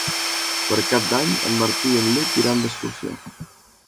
Per Cap d'Any en Martí i en Lluc iran d'excursió.